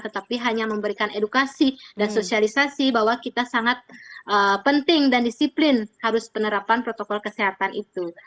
tetapi hanya memberikan edukasi dan sosialisasi bahwa kita sangat penting dan disiplin harus penerapan protokol kesehatan itu